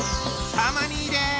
たま兄です。